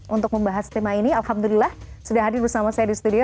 untuk membahas tema ini alhamdulillah sudah hadir bersama saya di studio